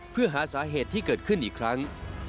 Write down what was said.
เพื่อหาสาเหตุที่เกิดขึ้นอีกครั้ง